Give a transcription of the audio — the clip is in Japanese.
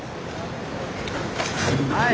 はい。